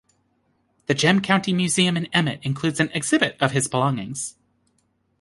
The Gem County Museum in Emmett includes an exhibit of his belongings.